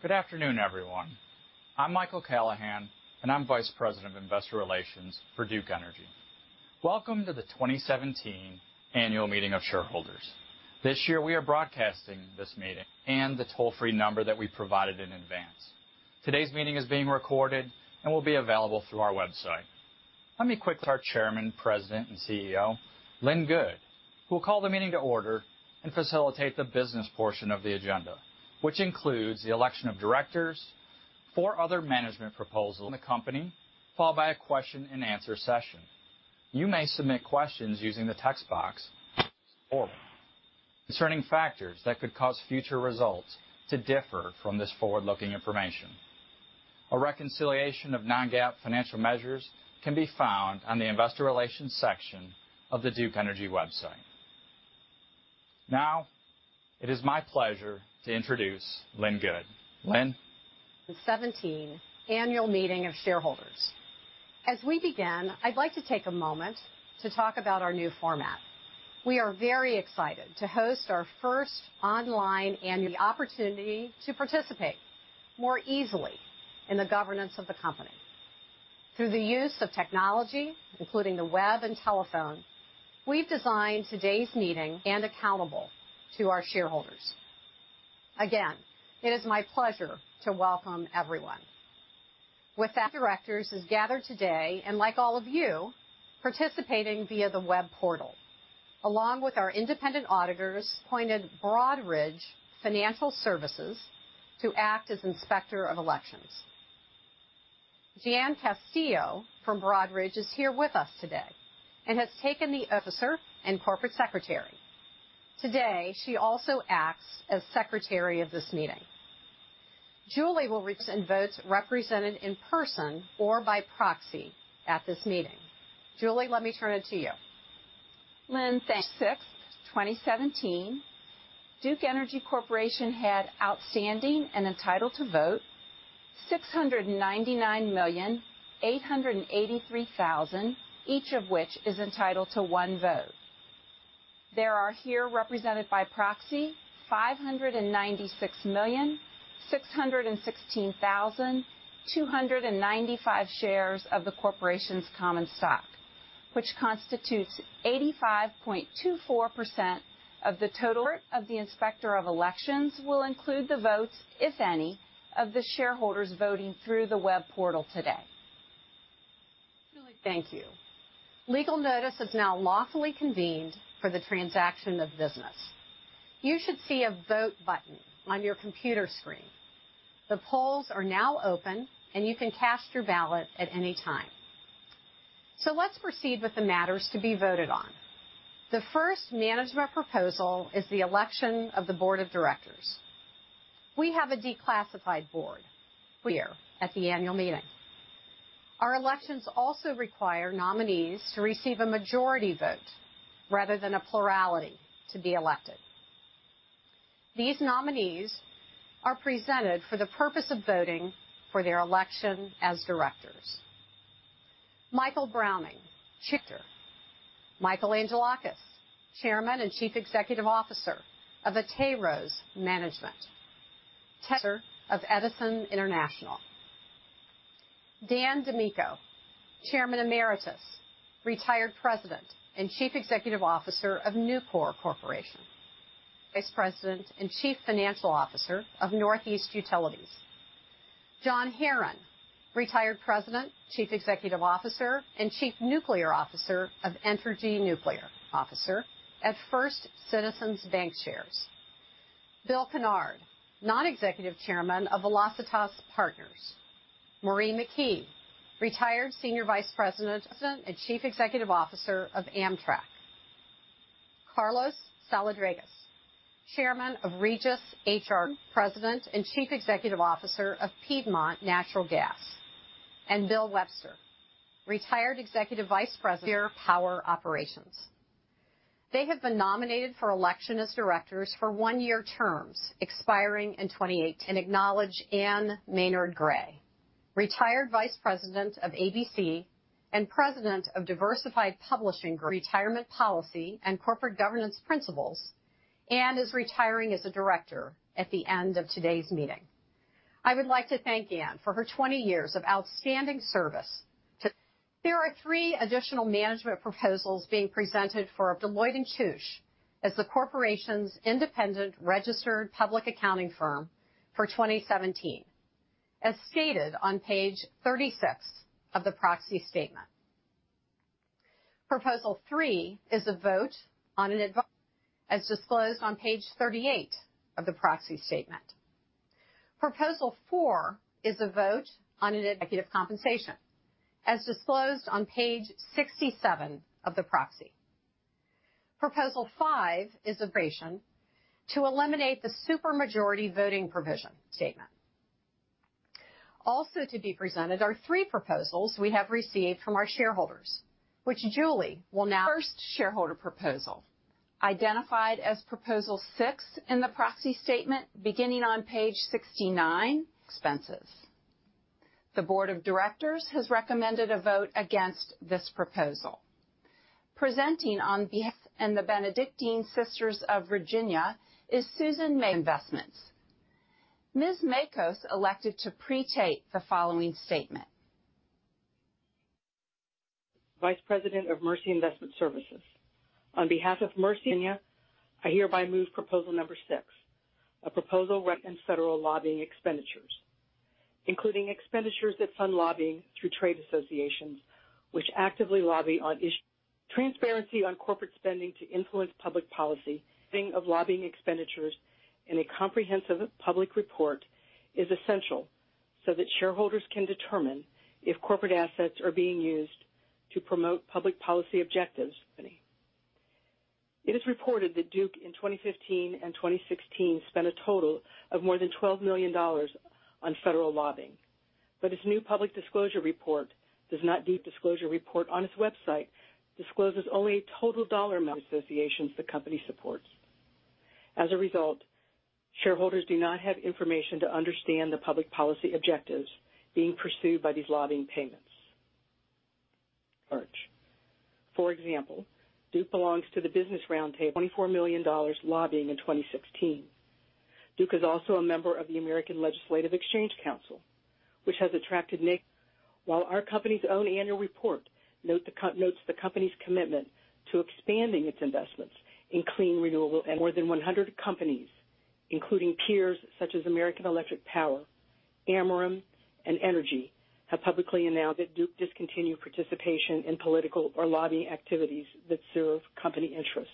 Good afternoon, everyone. I'm Mike Callahan, and I'm Vice President of Investor Relations for Duke Energy. Welcome to the 2017 Annual Meeting of Shareholders. This year, we are broadcasting this meeting and the toll-free number that we provided in advance. Today's meeting is being recorded and will be available through our website. Our Chairman, President, and CEO, Lynn Good, will call the meeting to order and facilitate the business portion of the agenda, which includes the election of directors, four other management proposals in the company, followed by a question and answer session. You may submit questions using the text box concerning factors that could cause future results to differ from this forward-looking information. A reconciliation of non-GAAP financial measures can be found on the investor relations section of the Duke Energy website. Now, it is my pleasure to introduce Lynn Good. Lynn? The 2017 Annual Meeting of Shareholders. As we begin, I'd like to take a moment to talk about our new format. We are very excited to host our first online. The opportunity to participate more easily in the governance of the company. Through the use of technology, including the web and telephone, we've designed today's and accountable to our shareholders. Again, it is my pleasure to welcome everyone. With that, directors is gathered today, and like all of you, participating via the web portal, along with our independent auditors, appointed Broadridge Financial Solutions to act as Inspector of Elections. Jan Castillo from Broadridge is here with us today and has taken officer and corporate secretary. Today, she also acts as secretary of this meeting. Julie will and votes represented in person or by proxy at this meeting. Julie, let me turn it to you. Lynn, thanks. Sixth, 2017, Duke Energy Corporation had outstanding and entitled to vote 699,883,000, each of which is entitled to one vote. There are here represented by proxy 596,616,295 shares of the corporation's common stock, which constitutes 85.24% of the total. The Inspector of Elections will include the votes, if any, of the shareholders voting through the web portal today. Julie, thank you. Legal notice is now lawfully convened for the transaction of business. You should see a vote button on your computer screen. The polls are now open, and you can cast your ballot at any time. Let's proceed with the matters to be voted on. The first management proposal is the election of the board of directors. We have a declassified board. We are at the annual meeting. Our elections also require nominees to receive a majority vote rather than a plurality to be elected. These nominees are presented for the purpose of voting for their election as directors. Michael Browning, chairman. Michael Angelakis, Chairman and Chief Executive Officer of Atairos Management. Chairman of Edison International. Dan DiMicco, Chairman Emeritus, retired President and Chief Executive Officer of Nucor Corporation. Vice President and Chief Financial Officer of Northeast Utilities. John Herron, retired President, Chief Executive Officer and Chief Nuclear Officer of Entergy Nuclear. Officer at First Citizens BancShares. Bill Kennard, Non-Executive Chairman of Velocitas Partners. Maureen McHugh, retired Senior Vice President and Chief Executive Officer of Amtrak. Carlos Saladrigas, Chairman of Regis HR Group. President and Chief Executive Officer of Piedmont Natural Gas. Bill Webster, retired Executive Vice President of Power Operations. They have been nominated for election as directors for one-year terms expiring in 28 and acknowledge Anne Maynard-Gray, retired Vice President of ABC and President of Diversified Publishing- Retirement Policy and Corporate Governance Principles, and is retiring as a director at the end of today's meeting. I would like to thank Anne for her 20 years of outstanding service to-. There are three additional management proposals being presented for Deloitte & Touche as the corporation's independent registered public accounting firm for 2017, as stated on page 36 of the proxy statement. Proposal three is a vote on an as disclosed on page 38 of the proxy statement. Proposal four is a vote on an executive compensation as disclosed on page 67 of the proxy. Proposal five is to eliminate the supermajority voting provision statement. Also to be presented are three proposals we have received from our shareholders, which Julie will now-. First shareholder proposal, identified as Proposal six in the proxy statement beginning on page 69. Expenses The board of directors has recommended a vote against this proposal. Presenting on behalf and the Benedictine Sisters of Virginia is Susan Makos, Investments. Ms. Makos elected to pre-tape the following statement. Vice President of Mercy Investment Services. On behalf of Mercy and Virginia, I hereby move proposal number six, a proposal regarding federal lobbying expenditures, including expenditures that fund lobbying through trade associations which actively lobby on issues. Transparency on corporate spending to influence public policy, including of lobbying expenditures in a comprehensive public report, is essential so that shareholders can determine if corporate assets are being used to promote public policy objectives. It is reported that Duke in 2015 and 2016 spent a total of more than $12 million on federal lobbying. Its new public disclosure report does not disclose. The report on its website discloses only a total dollar amount of associations the company supports. As a result, shareholders do not have information to understand the public policy objectives being pursued by these lobbying payments. For example, Duke belongs to the Business Roundtable, $24 million lobbying in 2016. Duke is also a member of the American Legislative Exchange Council, which has attracted While our company's own annual report notes the company's commitment to expanding its investments in clean renewable energy. More than 100 companies, including peers such as American Electric Power, Ameren, and Entergy, have publicly announced that Duke discontinued participation in political or lobbying activities that serve company interests.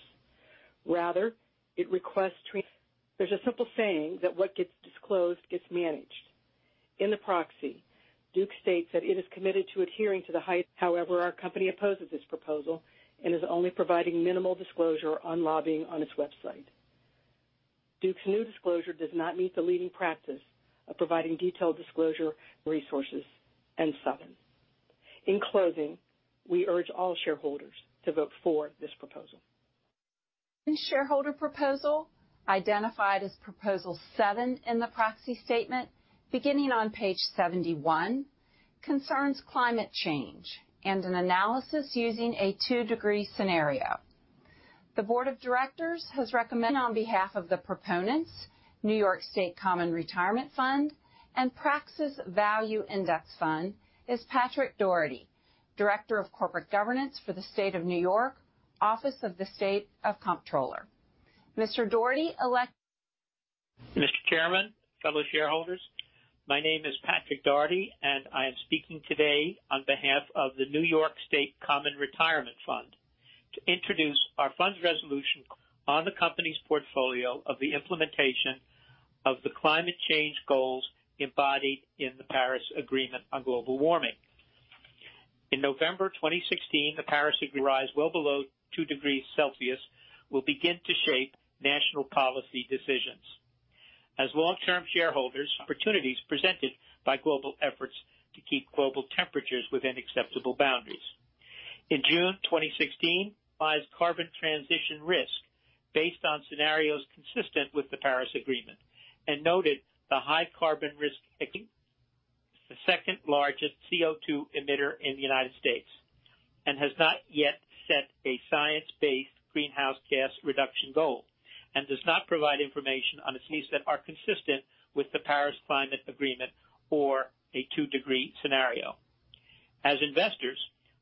Rather, it requests There's a simple saying that what gets disclosed gets managed. In the proxy, Duke states that it is committed to adhering to the highest However, our company opposes this proposal and is only providing minimal disclosure on lobbying on its website. Duke's new disclosure does not meet the leading practice of providing detailed disclosure resources. In closing, we urge all shareholders to vote for this proposal. The shareholder proposal, identified as proposal seven in the proxy statement beginning on page 71, concerns climate change and an analysis using a two-degree scenario. The board of directors has recommended on behalf of the proponents, New York State Common Retirement Fund, and Praxis Value Index Fund is Patrick Dougherty, Director of Corporate Governance for the State of New York, Office of the State Comptroller. Mr. Dougherty elected- Mr. Chairman, fellow shareholders, my name is Patrick Dougherty, and I am speaking today on behalf of the New York State Common Retirement Fund to introduce our fund's resolution on the company's portfolio of the implementation of the climate change goals embodied in the Paris Agreement on global warming. In November 2016, the Paris Agreement rise well below two degrees Celsius will begin to shape national policy decisions. As long-term shareholders, opportunities presented by global efforts to keep global temperatures within acceptable boundaries. In June 2016, carbon transition risk, based on scenarios consistent with the Paris Agreement, and noted the high carbon risk. The second largest CO2 emitter in the U.S. and has not yet set a science-based greenhouse gas reduction goal and does not provide information on its needs that are consistent with the Paris Agreement or a two-degree scenario. As investors,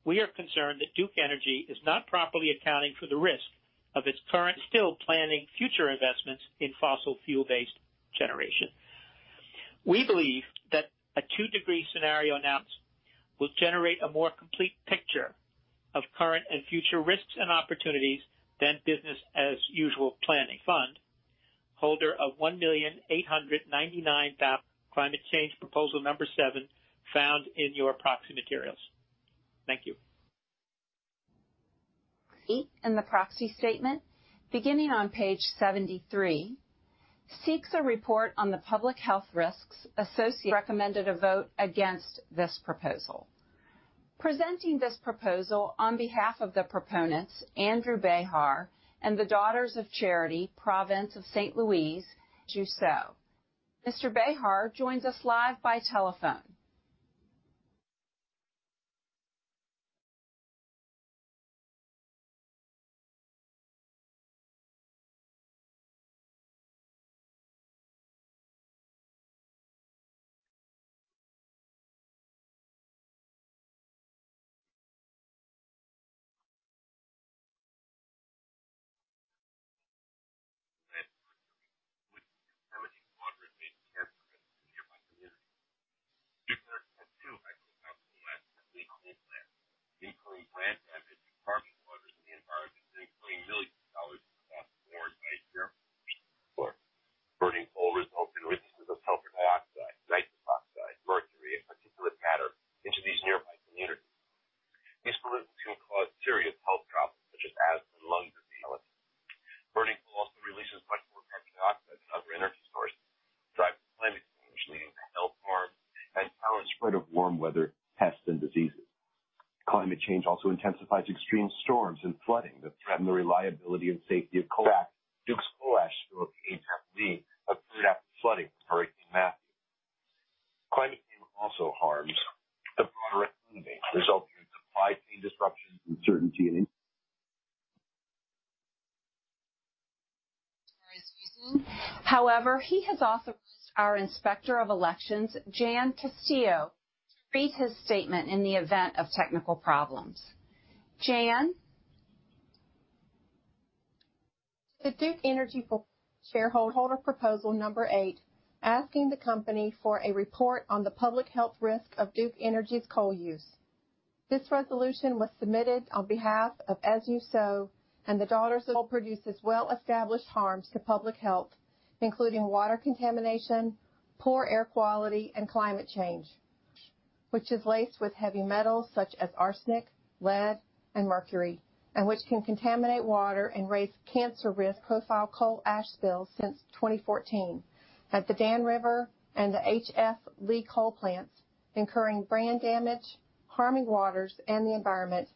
we are concerned that Duke Energy is not properly accounting for the risk of its current still planning future investments in fossil fuel-based generation. We believe that a two-degree scenario announcement will generate a more complete picture of current and future risks and opportunities than business as usual planning fund, holder of 1,000,899 climate change proposal number seven found in your proxy materials. Thank you. 8 in the proxy statement, beginning on page 73, seeks a report on the public health risks associated. Recommended a vote against this proposal. Presenting this proposal on behalf of the proponents, Andrew Behar and the Daughters of Charity, Province of St. Louise. Mr. Behar joins us live by telephone. to read his statement in the event of technical problems. Jan? The Duke Energy shareholder proposal number 8, asking the company for a report on the public health risk of Duke Energy's coal use. This resolution was submitted on behalf of As You Sow. Coal produces well-established harms to public health, including water contamination, poor air quality, and climate change, which is laced with heavy metals such as arsenic, lead, and mercury, and which can contaminate water and raise cancer risk. Prior coal ash spills since 2014 at the Dan River and the H.F. Lee coal plants, incurring brand damage, harming waters and the environment.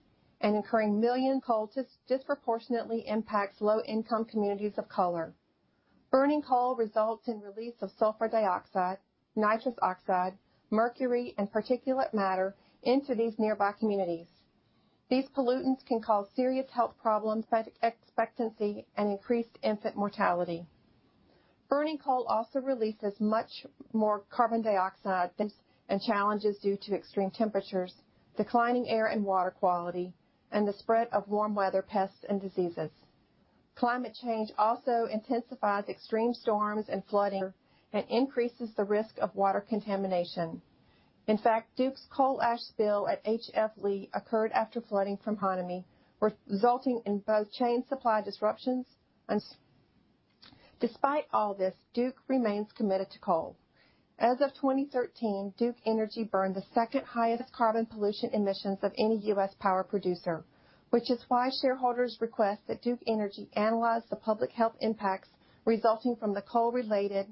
Coal disproportionately impacts low-income communities of color. Burning coal results in release of sulfur dioxide, nitrous oxide, mercury, and particulate matter into these nearby communities. These pollutants can cause serious health problems like life expectancy and increased infant mortality. Burning coal also releases much more carbon dioxide. Challenges due to extreme temperatures, declining air and water quality, and the spread of warm weather pests and diseases. Climate change also intensifies extreme storms and flooding, and increases the risk of water contamination. In fact, Duke's coal ash spill at H.F. Lee occurred after flooding from Hurricane Matthew, resulting in both chain supply disruptions. Despite all this, Duke remains committed to coal. As of 2013, Duke Energy burned the second highest carbon pollution emissions of any U.S. power producer, which is why shareholders request that Duke Energy analyze the public health impacts resulting from the coal-related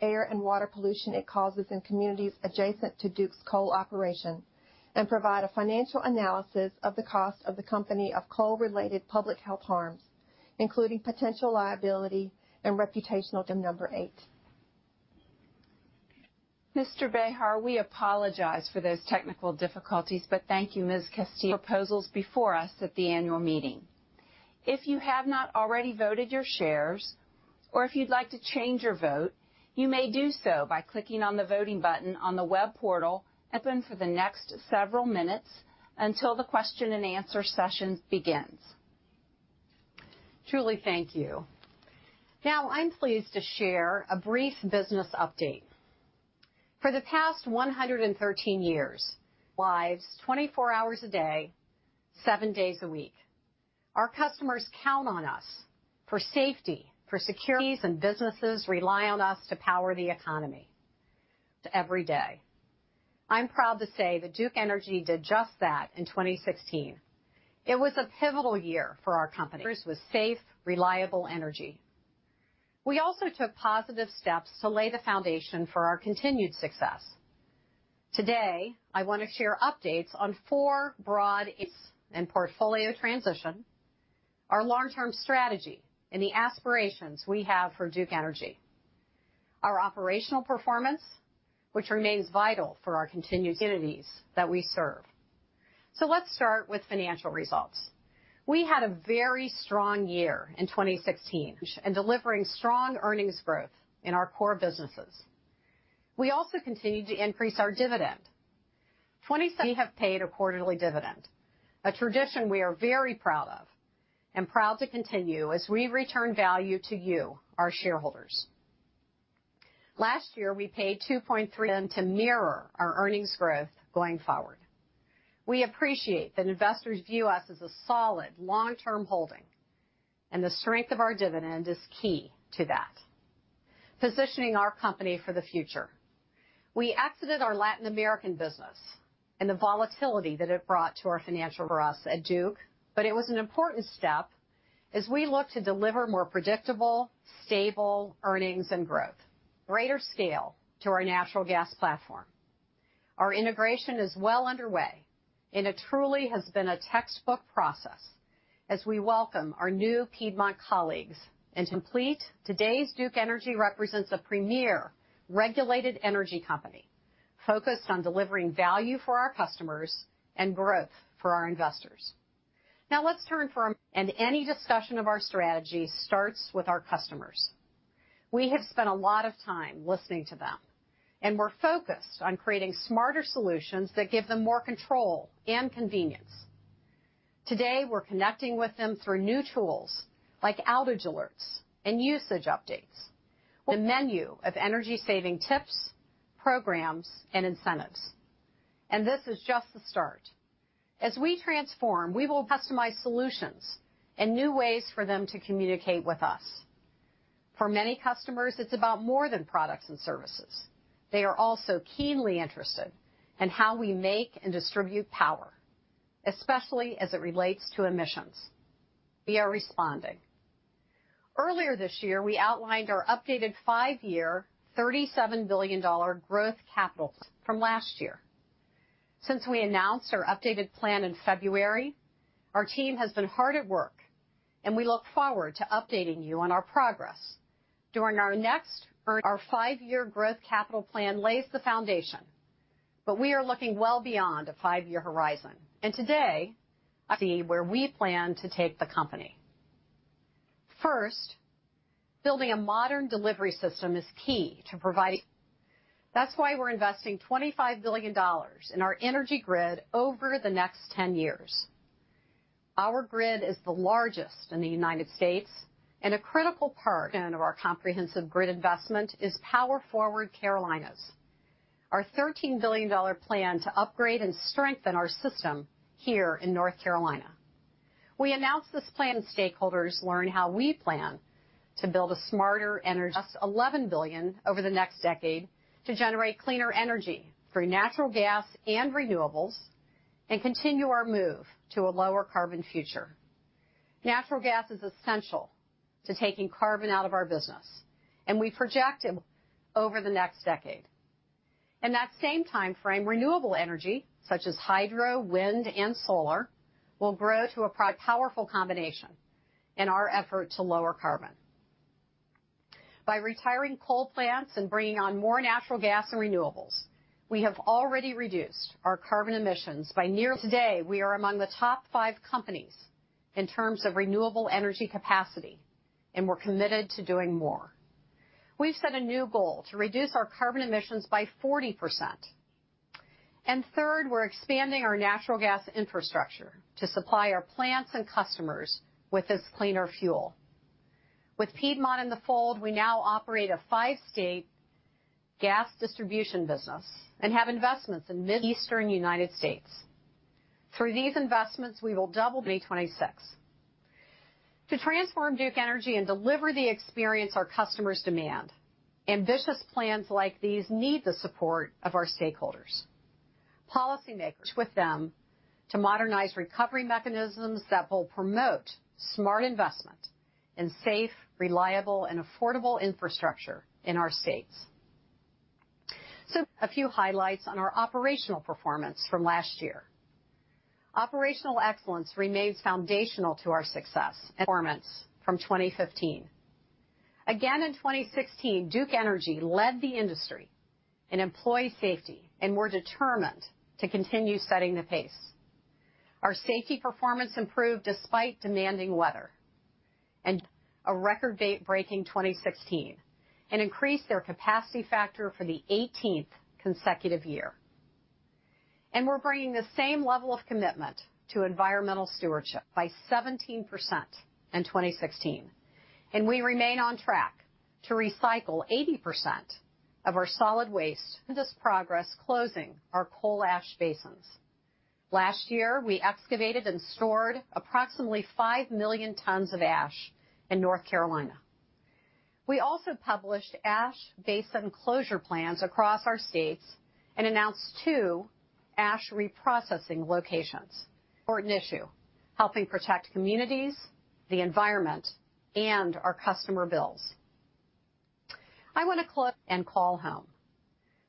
air and water pollution it causes in communities adjacent to Duke's coal operation, and provide a financial analysis of the cost of the company of coal-related public health harms, including potential liability and reputational. Item number eight. Mr. Behar, we apologize for those technical difficulties. Thank you, Ms. Castillo. Proposals before us at the annual meeting. If you have not already voted your shares or if you'd like to change your vote, you may do so by clicking on the Voting button on the web portal open for the next several minutes until the question and answer session begins. Truly, thank you. I'm pleased to share a brief business update. For the past 113 years, lives 24 hours a day, seven days a week. Our customers count on us for safety, for security, and businesses rely on us to power the economy every day. I'm proud to say that Duke Energy did just that in 2016. It was a pivotal year for our company. With safe, reliable energy. We also took positive steps to lay the foundation for our continued success. I want to share updates on four broad areas and portfolio transition, our long-term strategy, and the aspirations we have for Duke Energy. Our operational performance, which remains vital for our continued communities that we serve. Let's start with financial results. We had a very strong year in 2016, delivering strong earnings growth in our core businesses. We also continued to increase our dividend. We have paid a quarterly dividend, a tradition we are very proud of and proud to continue as we return value to you, our shareholders. Last year, we paid $2.3. To mirror our earnings growth going forward. We appreciate that investors view us as a solid long-term holding, and the strength of our dividend is key to that. Positioning our company for the future. We exited our Latin American business and the volatility that it brought to our financial. It was an important step as we look to deliver more predictable, stable earnings and growth. Greater scale to our natural gas platform. Our integration is well underway, and it truly has been a textbook process as we welcome our new Piedmont colleagues and complete. Today's Duke Energy represents a premier regulated energy company focused on delivering value for our customers and growth for our investors. Any discussion of our strategy starts with our customers. We have spent a lot of time listening to them, and we're focused on creating smarter solutions that give them more control and convenience. We're connecting with them through new tools like outage alerts and usage updates. The menu of energy-saving tips, programs, and incentives. This is just the start. As we transform, we will customize solutions and new ways for them to communicate with us. For many customers, it's about more than products and services. They are also keenly interested in how we make and distribute power, especially as it relates to emissions. We are responding Earlier this year, we outlined our updated five-year $37 billion growth capital from last year. Since we announced our updated plan in February, our team has been hard at work, and we look forward to updating you on our progress during our next. Our five-year growth capital plan lays the foundation, we are looking well beyond a five-year horizon. Today, I see where we plan to take the company. First, building a modern delivery system is key to providing. That's why we're investing $25 billion in our energy grid over the next 10 years. Our grid is the largest in the U.S. and a critical part of our comprehensive grid investment is Power/Forward Carolinas, our $13 billion plan to upgrade and strengthen our system here in North Carolina. $11 billion over the next decade to generate cleaner energy through natural gas and renewables and continue our move to a lower carbon future. Natural gas is essential to taking carbon out of our business, we project it over the next decade. In that same time frame, renewable energy, such as hydro, wind, and solar, will grow to a powerful combination in our effort to lower carbon. By retiring coal plants and bringing on more natural gas and renewables, we have already reduced our carbon emissions by nearly. Today, we are among the top five companies in terms of renewable energy capacity, and we're committed to doing more. We've set a new goal to reduce our carbon emissions by 40%. Third, we're expanding our natural gas infrastructure to supply our plants and customers with this cleaner fuel. With Piedmont in the fold, we now operate a 5-state gas distribution business and have investments in mid-eastern U.S. Through these investments, we will double B26. To transform Duke Energy and deliver the experience our customers demand, ambitious plans like these need the support of our stakeholders. Policymakers with them to modernize recovery mechanisms that will promote smart investment in safe, reliable, and affordable infrastructure in our states. A few highlights on our operational performance from last year. Operational excellence remains foundational to our success and performance from 2015. Again, in 2016, Duke Energy led the industry in employee safety, and we're determined to continue setting the pace. Our safety performance improved despite demanding weather and a record-breaking 2016, and increased their capacity factor for the 18th consecutive year. We're bringing the same level of commitment to environmental stewardship by 17% in 2016. We remain on track to recycle 80% of our solid waste. This progress closing our coal ash basins. Last year, we excavated and stored approximately 5 million tons of ash in North Carolina. We also published ash basin closure plans across our states and announced two ash reprocessing locations for an issue, helping protect communities, the environment, and our customer bills. I want to call home.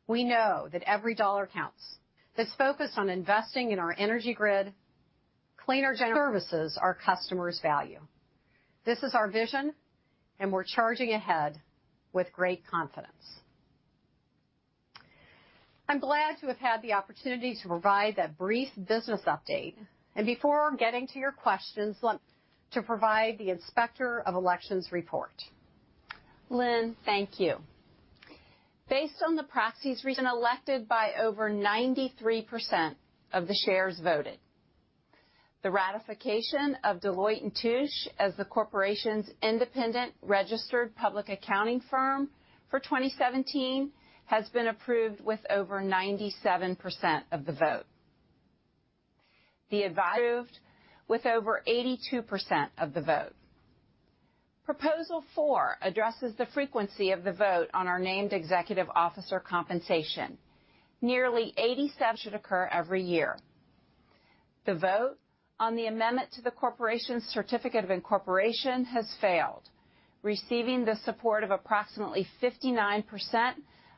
We know that every dollar counts. This focus on investing in our energy grid, cleaner services our customers value. This is our vision. We're charging ahead with great confidence. I'm glad to have had the opportunity to provide that brief business update. Before getting to your questions, I'd like to provide the Inspector of Elections report. Lynn, thank you. Based on the proxies, reason elected by over 93% of the shares voted. The ratification of Deloitte & Touche as the corporation's independent registered public accounting firm for 2017 has been approved with over 97% of the vote. The advisor with over 82% of the vote. Proposal four addresses the frequency of the vote on our named executive officer compensation. Nearly 87% should occur every year. The vote on the amendment to the corporation's certificate of incorporation has failed, receiving the support of approximately 59%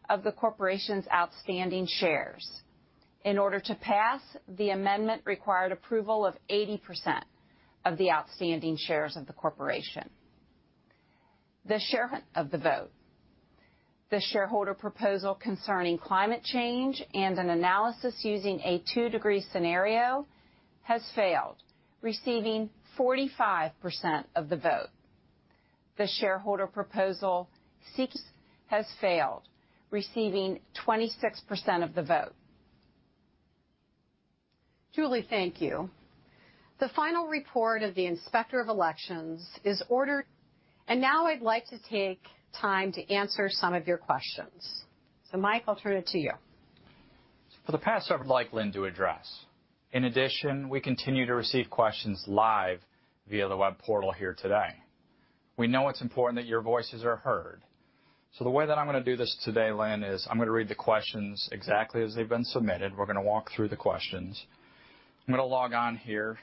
of the corporation's outstanding shares. In order to pass, the amendment required approval of 80% of the outstanding shares of the corporation. The share of the vote. The shareholder proposal concerning climate change and an analysis using a two-degree scenario has failed, receiving 45% of the vote. The shareholder proposal seeks has failed, receiving 26% of the vote. Julie, thank you. The final report of the Inspector of Elections is ordered. Now I'd like to take time to answer some of your questions. Mike, I'll turn it to you. For the past, I would like Lynn to address. In addition, we continue to receive questions live via the web portal here today. We know it's important that your voices are heard. The way that I'm going to do this today, Lynn, is I'm going to read the questions exactly as they've been submitted. We're going to walk through the questions. I'm going to log on here.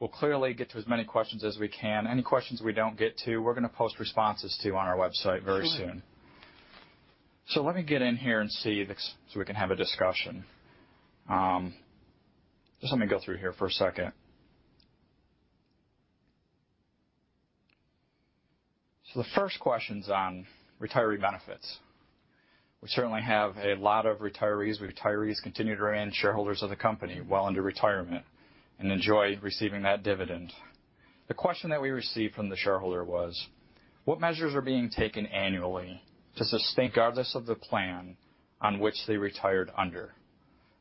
We'll clearly get to as many questions as we can. Any questions we don't get to, we're going to post responses to on our website very soon. Sure. Let me get in here and see, we can have a discussion. Just let me go through here for a second. The first question's on retiree benefits. We certainly have a lot of retirees. Retirees continue to remain shareholders of the company while under retirement and enjoy receiving that dividend. The question that we received from the shareholder was, "What measures are being taken annually to sustain, regardless of the plan on which they retired under?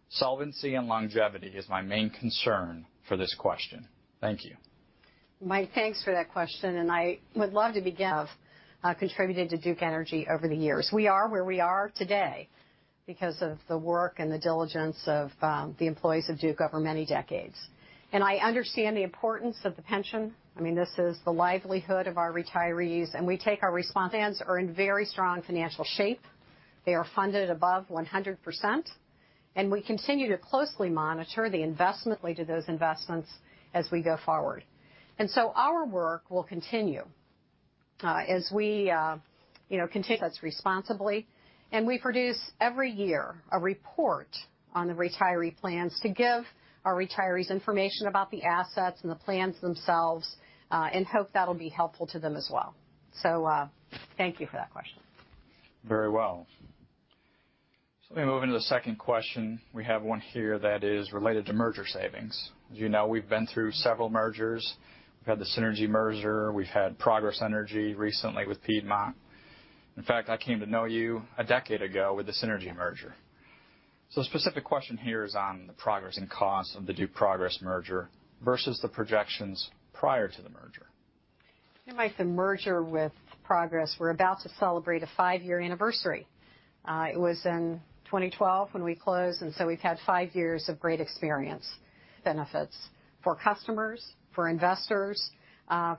Solvency and longevity is my main concern for this question. Thank you. Mike, thanks for that question. I would love to begin. Have contributed to Duke Energy over the years. We are where we are today because of the work and the diligence of the employees of Duke over many decades. I understand the importance of the pension. This is the livelihood of our retirees, and we take our response. Plans are in very strong financial shape. They are funded above 100%. We continue to closely monitor the investment to those investments as we go forward. Our work will continue as we continue. That's responsibly. We produce, every year, a report on the retiree plans to give our retirees information about the assets and the plans themselves, and hope that'll be helpful to them as well. Thank you for that question. Very well. Let me move into the second question. We have one here that is related to merger savings. As you know, we've been through several mergers. We've had the Cinergy merger. We've had Progress Energy recently with Piedmont. In fact, I came to know you a decade ago with the Cinergy merger. The specific question here is on the progress and cost of the Duke Progress merger versus the projections prior to the merger. You know, Mike, the merger with Progress, we're about to celebrate a five-year anniversary. It was in 2012 when we closed. We've had five years of great experience, benefits for customers, for investors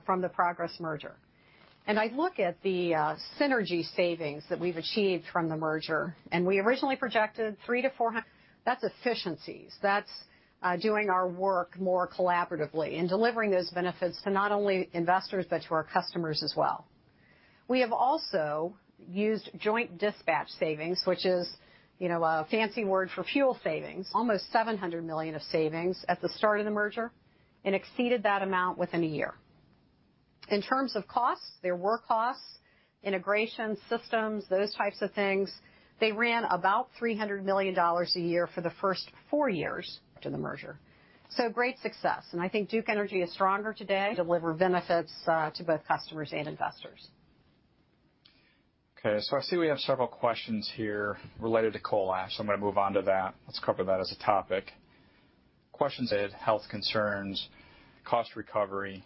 from the Progress merger. I look at the synergy savings that we've achieved from the merger. We originally projected three to four, that's efficiencies. That's doing our work more collaboratively and delivering those benefits to not only investors, but to our customers as well. We have also used joint dispatch savings, which is a fancy word for fuel savings. Almost $700 million of savings at the start of the merger. Exceeded that amount within a year. In terms of costs, there were costs, integration, systems, those types of things. They ran about $300 million a year for the first four years after the merger. Great success. I think Duke Energy is stronger today. It delivers benefits to both customers and investors. Okay, I see we have several questions here related to coal ash. I'm going to move on to that. Let's cover that as a topic. Questions. Health concerns, cost recovery.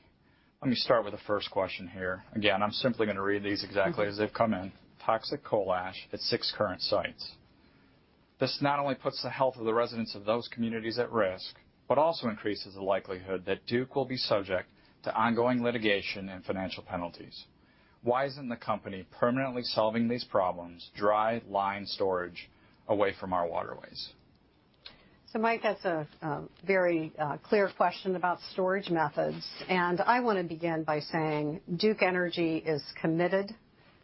Let me start with the first question here. Again, I'm simply going to read these exactly as they've come in. Toxic coal ash at 6 current sites. This not only puts the health of the residents of those communities at risk, but also increases the likelihood that Duke will be subject to ongoing litigation and financial penalties. Why isn't the company permanently solving these problems, dry-lined storage away from our waterways? Mike, that's a very clear question about storage methods. I want to begin by saying Duke Energy is committed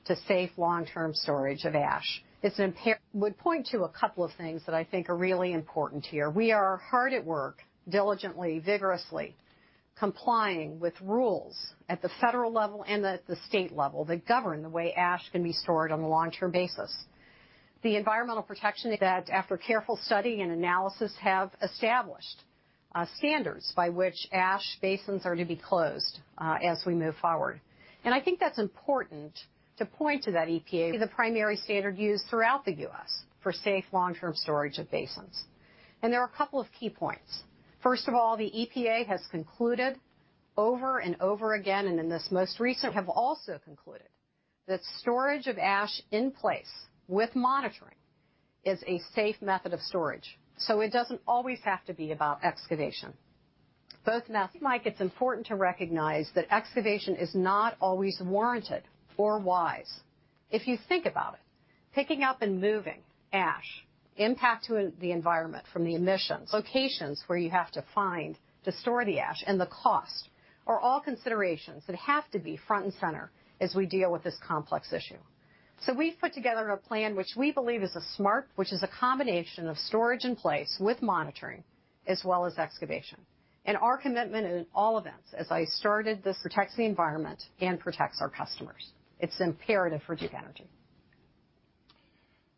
to safe long-term storage of ash. It's imperative. Would point to a couple of things that I think are really important here. We are hard at work, diligently, vigorously complying with rules at the federal level and at the state level that govern the way ash can be stored on a long-term basis. The Environmental Protection Agency that, after careful study and analysis, has established standards by which ash basins are to be closed as we move forward. I think that's important to point to that EPA. Be the primary standard used throughout the U.S. for safe long-term storage of basins. There are a couple of key points. First of all, the EPA has concluded over and over again, in this most recent. Have also concluded that storage of ash in place with monitoring is a safe method of storage. It doesn't always have to be about excavation. Both now. Mike, it's important to recognize that excavation is not always warranted or wise. If you think about it, picking up and moving ash, impact to the environment from the emissions, locations where you have to find to store the ash, and the cost are all considerations that have to be front and center as we deal with this complex issue. We've put together a plan which we believe is a smart combination of storage in place with monitoring as well as excavation. Our commitment in all events, as I started this, protects the environment and protects our customers. It's imperative for Duke Energy.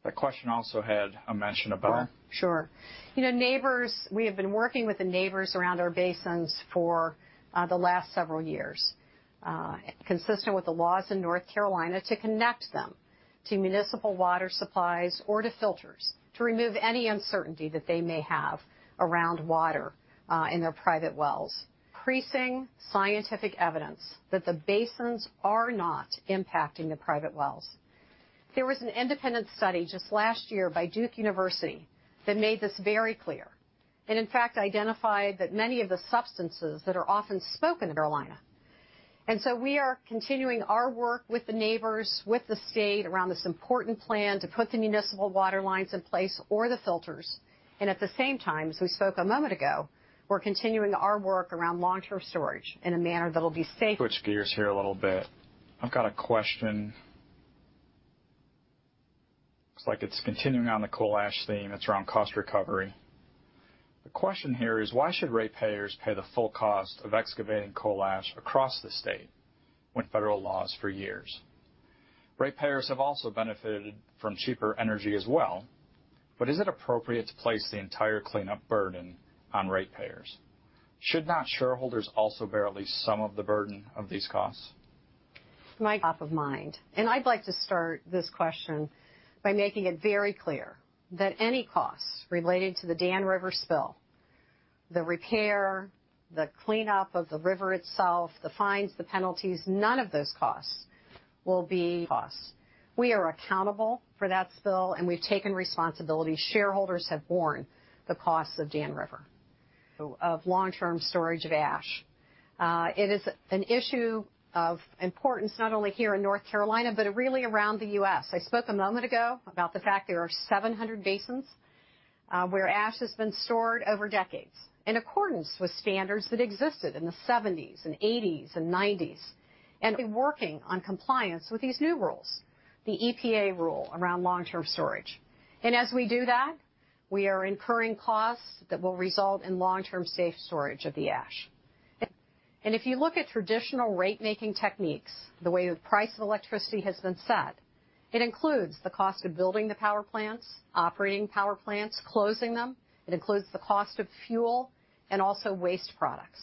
That question also had a mention about. Sure. We have been working with the neighbors around our basins for the last several years, consistent with the laws in North Carolina, to connect them to municipal water supplies or to filters to remove any uncertainty that they may have around water in their private wells. Increasing scientific evidence that the basins are not impacting the private wells. There was an independent study just last year by Duke University that made this very clear. In fact, identified that many of the substances that are often spoken of are lined up. So we are continuing our work with the neighbors, with the state around this important plan to put the municipal water lines in place or the filters. At the same time, as we spoke a moment ago, we're continuing our work around long-term storage in a manner that'll be safe. Switch gears here a little bit. I've got a question. Looks like it's continuing on the coal ash theme. It's around cost recovery. The question here is, why should ratepayers pay the full cost of excavating coal ash across the state when federal laws for years? Ratepayers have also benefited from cheaper energy as well. Is it appropriate to place the entire cleanup burden on ratepayers? Should not shareholders also bear at least some of the burden of these costs? Mike, top of mind. I'd like to start this question by making it very clear that any costs relating to the Dan River spill, the repair, the cleanup of the river itself, the fines, the penalties, none of those costs will be costs. We are accountable for that spill, and we've taken responsibility. Shareholders have borne the costs of Dan River. Of long-term storage of ash. It is an issue of importance, not only here in North Carolina, but really around the U.S. I spoke a moment ago about the fact there are 700 basins, where ash has been stored over decades in accordance with standards that existed in the '70s and '80s and '90s, and be working on compliance with these new rules. The EPA rule around long-term storage. As we do that, we are incurring costs that will result in long-term safe storage of the ash. If you look at traditional rate-making techniques, the way the price of electricity has been set, it includes the cost of building the power plants, operating power plants, closing them. It includes the cost of fuel and also waste products.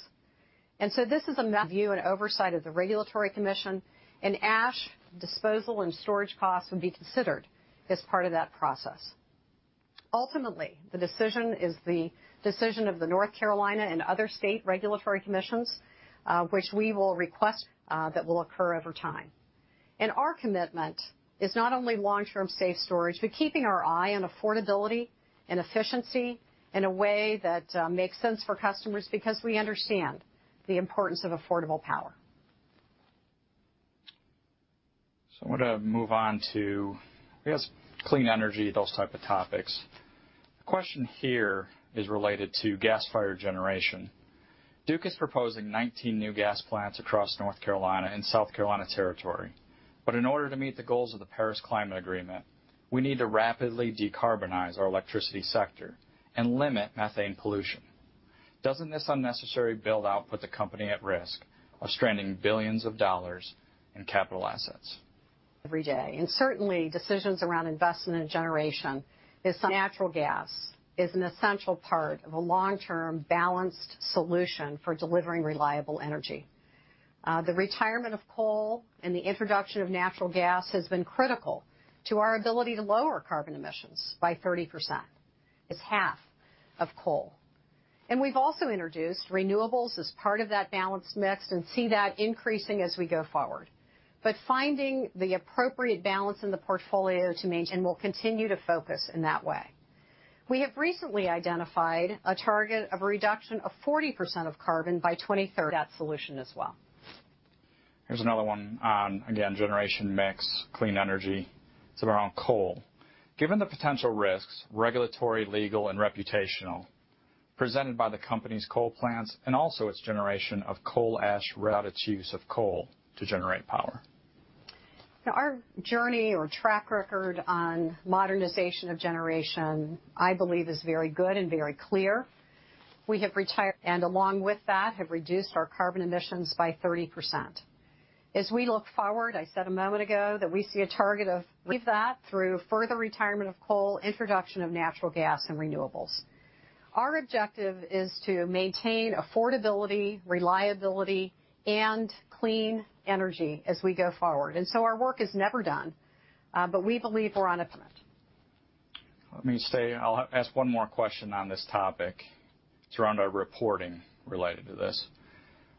This is a view and oversight of the Regulatory Commission, and ash disposal and storage costs would be considered as part of that process. Ultimately, the decision is the decision of the North Carolina and other state regulatory commissions, which we will request that will occur over time. Our commitment is not only long-term safe storage, but keeping our eye on affordability and efficiency in a way that makes sense for customers because we understand the importance of affordable power. I'm going to move on to, I guess, clean energy, those type of topics. The question here is related to gas-fired generation. Duke is proposing 19 new gas plants across North Carolina and South Carolina territory. In order to meet the goals of the Paris Agreement, we need to rapidly decarbonize our electricity sector and limit methane pollution. Doesn't this unnecessary build-out put the company at risk of stranding $billions in capital assets? Every day, certainly decisions around investment and generation. Natural gas is an essential part of a long-term balanced solution for delivering reliable energy. The retirement of coal and the introduction of natural gas has been critical to our ability to lower carbon emissions by 30%. It's half of coal. We've also introduced renewables as part of that balanced mix and see that increasing as we go forward. Finding the appropriate balance in the portfolio to main. We'll continue to focus in that way. We have recently identified a target of a reduction of 40% of carbon by 2030. That solution as well. Here's another one on, again, generation mix, clean energy. It's around coal. Given the potential risks, regulatory, legal, and reputational presented by the company's coal plants and also its generation of coal ash route, its use of coal to generate power. Our journey or track record on modernization of generation, I believe, is very good and very clear. We have retired and along with that, have reduced our carbon emissions by 30%. As we look forward, I said a moment ago that we see a target of that through further retirement of coal, introduction of natural gas and renewables. Our objective is to maintain affordability, reliability, and clean energy as we go forward. Our work is never done. We believe we're on a commit. Let me say, I'll ask one more question on this topic. It's around our reporting related to this.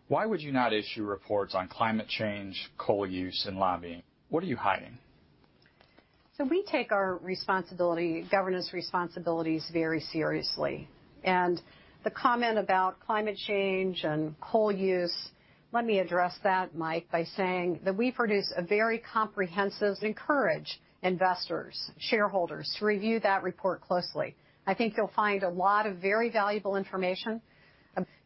Why would you not issue reports on climate change, coal use, and lobbying? What are you hiding? We take our governance responsibilities very seriously. The comment about climate change and coal use, let me address that, Mike, by saying that we produce a very comprehensive. Encourage investors, shareholders to review that report closely. I think you'll find a lot of very valuable information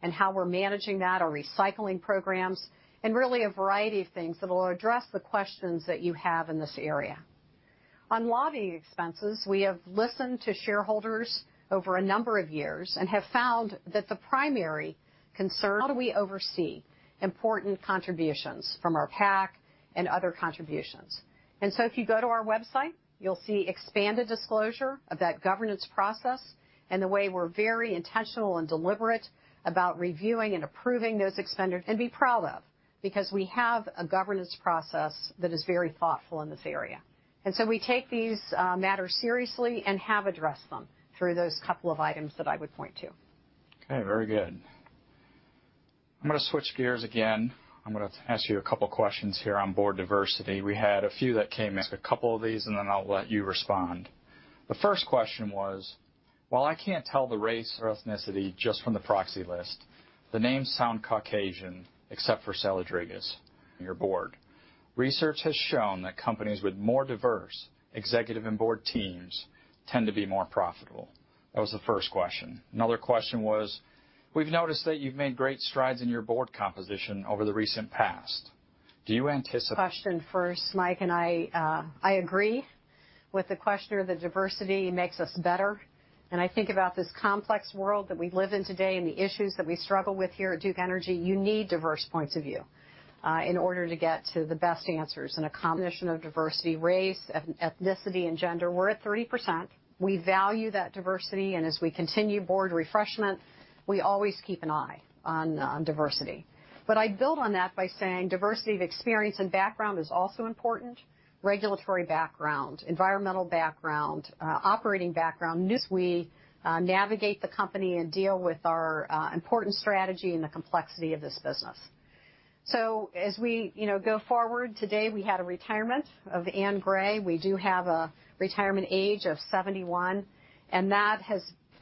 and how we're managing that, our recycling programs, and really a variety of things that will address the questions that you have in this area. On lobbying expenses, we have listened to shareholders over a number of years and have found that the primary concern, how do we oversee important contributions from our PAC and other contributions? If you go to our website, you'll see expanded disclosure of that governance process and the way we're very intentional and deliberate about reviewing and approving those expenditures and be proud of, because we have a governance process that is very thoughtful in this area. We take these matters seriously and have addressed them through those couple of items that I would point to. Okay. Very good, I'm going to switch gears again. I'm going to ask you a couple questions here on board diversity. We had a few that came. I'll ask a couple of these, and then I'll let you respond. The first question was: "While I can't tell the race or ethnicity just from the proxy list, the names sound Caucasian except for Saladrigas on your board. Research has shown that companies with more diverse executive and board teams tend to be more profitable." That was the first question. Another question was, "We've noticed that you've made great strides in your board composition over the recent past. Do you anticipate. Question first, Mike. I agree with the questioner that diversity makes us better, and I think about this complex world that we live in today and the issues that we struggle with here at Duke Energy. You need diverse points of view in order to get to the best answers, and a combination of diversity, race, ethnicity, and gender. We're at 30%. We value that diversity, and as we continue board refreshment, we always keep an eye on diversity. I'd build on that by saying diversity of experience and background is also important. Regulatory background, environmental background, operating background, as we navigate the company and deal with our important strategy and the complexity of this business. As we go forward today, we had a retirement of Anne Gray. We do have a retirement age of 71,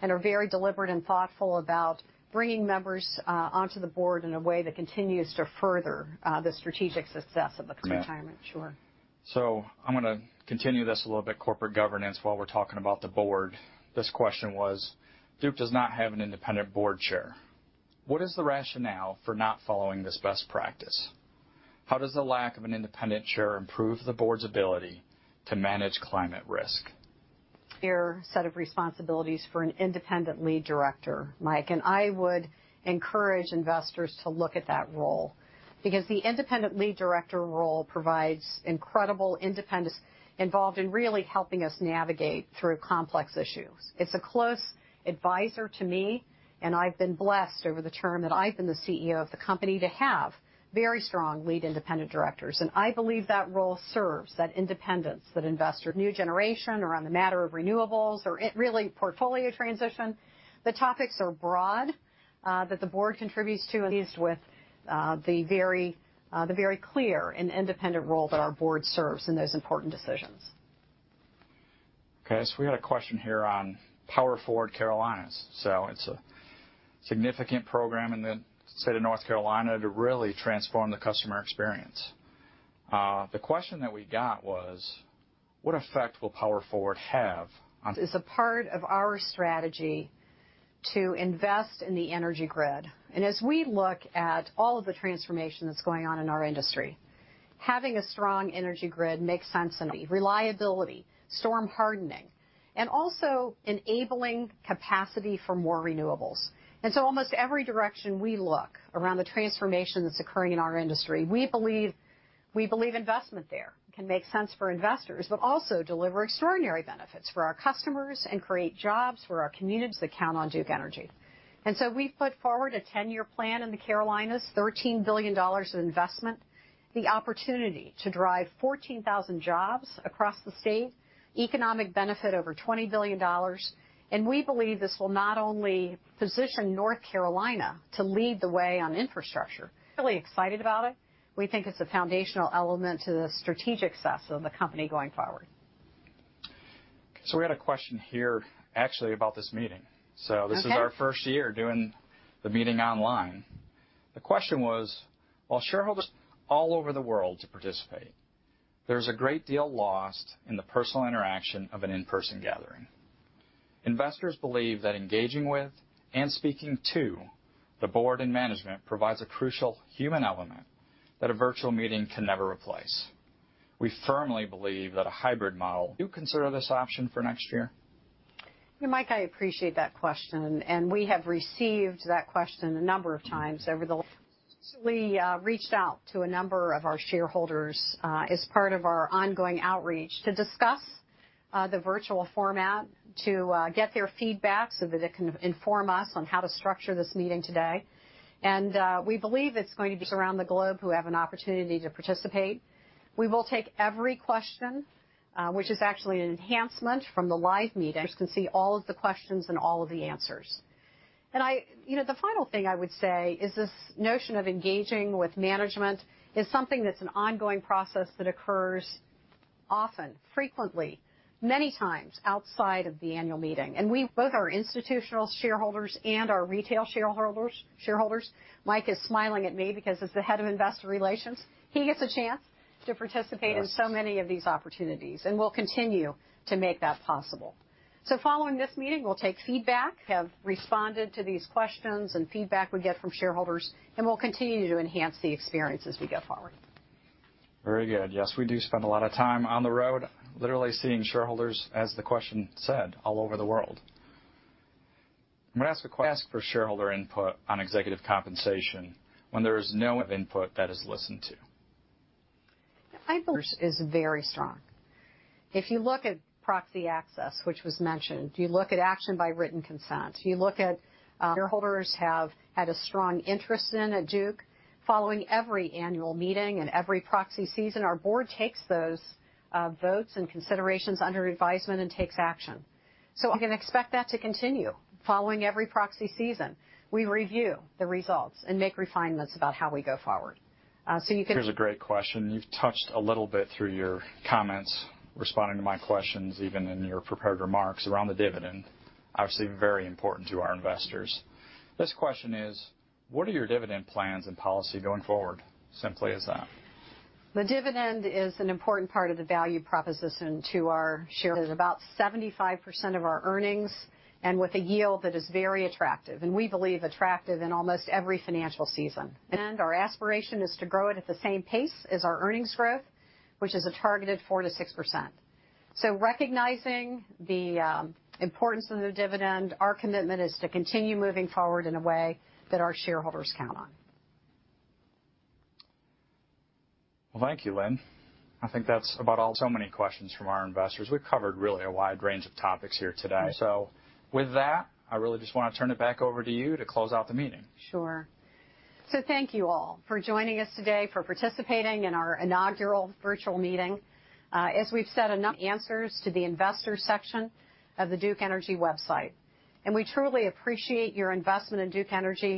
and are very deliberate and thoughtful about bringing members onto the board in a way that continues to further the strategic success of the company. Yeah. Retirement. Sure. I'm going to continue this a little bit, corporate governance, while we're talking about the board. This question was, "Duke does not have an independent board chair. What is the rationale for not following this best practice? How does the lack of an independent chair improve the board's ability to manage climate risk? Clear set of responsibilities for an independent lead director, Mike. I would encourage investors to look at that role because the independent lead director role provides incredible independence involved in really helping us navigate through complex issues. It's a close advisor to me. I've been blessed over the term that I've been the CEO of the company to have very strong lead independent directors. I believe that role serves that independence that investors New generation, around the matter of renewables or really portfolio transition. The topics are broad that the board contributes to. I am pleased with the very clear and independent role that our board serves in those important decisions. We had a question here on Power/Forward Carolinas. It's a significant program in the state of North Carolina to really transform the customer experience. The question that we got was, "What effect will Power/Forward have on- It is a part of our strategy to invest in the energy grid. As we look at all of the transformation that's going on in our industry, having a strong energy grid makes sense. Reliability, storm hardening, and also enabling capacity for more renewables. Almost every direction we look around the transformation that's occurring in our industry, we believe investment there can make sense for investors, but also deliver extraordinary benefits for our customers and create jobs for our communities that count on Duke Energy. We've put forward a 10-year plan in the Carolinas, $13 billion of investment, the opportunity to drive 14,000 jobs across the state, economic benefit over $20 billion. We believe this will not only position North Carolina to lead the way on infrastructure. We are really excited about it. We think it's a foundational element to the strategic success of the company going forward. We had a question here actually about this meeting. Okay. This is our first year doing the meeting online. The question was, "While shareholders all over the world to participate, there's a great deal lost in the personal interaction of an in-person gathering. Investors believe that engaging with and speaking to the board and management provides a crucial human element that a virtual meeting can never replace. We firmly believe that a hybrid model. Do consider this option for next year? Mike, I appreciate that question, and we have received that question a number of times. We reached out to a number of our shareholders as part of our ongoing outreach to discuss the virtual format to get their feedback so that it can inform us on how to structure this meeting today. We believe it's going to be around the globe who have an opportunity to participate. We will take every question, which is actually an enhancement from the live meeting. Investors can see all of the questions and all of the answers. The final thing I would say is this notion of engaging with management is something that's an ongoing process that occurs often, frequently, many times outside of the annual meeting. Both our institutional shareholders and our retail shareholders. Mike is smiling at me because as the head of investor relations, he gets a chance to participate Yes in so many of these opportunities, and we'll continue to make that possible. Following this meeting, we'll take feedback. We have responded to these questions and feedback we get from shareholders, and we'll continue to enhance the experience as we go forward. Very good. Yes, we do spend a lot of time on the road, literally seeing shareholders, as the question said, all over the world. I'm going to ask a question. "Ask for shareholder input on executive compensation when there is no input that is listened to. I believe ours is very strong. If you look at proxy access, which was mentioned, if you look at action by written consent, Shareholders have had a strong interest in at Duke. Following every annual meeting and every proxy season, our board takes those votes and considerations under advisement and takes action. You can expect that to continue. Following every proxy season, we review the results and make refinements about how we go forward. You can Here's a great question. You've touched a little bit through your comments, responding to my questions, even in your prepared remarks around the dividend, obviously very important to our investors. This question is, "What are your dividend plans and policy going forward?" Simply as that. The dividend is an important part of the value proposition to our shareholders. About 75% of our earnings and with a yield that is very attractive, and we believe attractive in almost every financial season. Our aspiration is to grow it at the same pace as our earnings growth, which is a targeted 4%-6%. Recognizing the importance of the dividend, our commitment is to continue moving forward in a way that our shareholders count on. Well, thank you, Lynn. I think that's about all. Many questions from our investors. We've covered really a wide range of topics here today. Right. With that, I really just want to turn it back over to you to close out the meeting. Sure. Thank you all for joining us today, for participating in our inaugural virtual meeting. As we've said, answers to the investors section of the Duke Energy website. We truly appreciate your investment in Duke Energy-